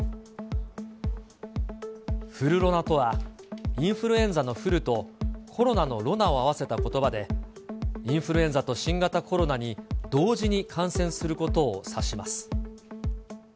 フルロナとは、インフルエンザのフルと、コロナのロナを合わせたことばで、インフルエンザと新型コロナに同時に感染することを指します。